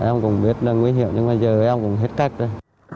dạ em cũng biết là nguy hiểm nhưng mà giờ em cũng hết cách rồi